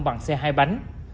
bằng xe hai bánh